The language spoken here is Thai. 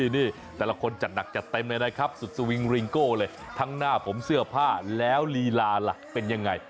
นี่แต่ละคนจัดหนักจัดเต็มเลยนะครับสุดสวิงริงโก้เลยทั้งหน้าผมเสื้อผ้าแล้วลีลาล่ะเป็นยังไง